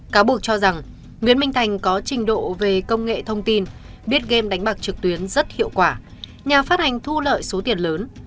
cáo buộc cho rằng nguyễn minh thành có trình độ về công nghệ thông tin biết game đánh bạc trực tuyến rất hiệu quả nhà phát hành thu lợi số tiền lớn